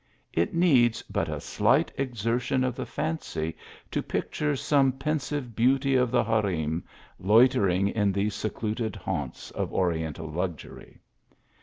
It needs but a slight exer tion of the fancy to picture some pensive beauty of the harem, loitering in these secluded haunts of ori ental luxury.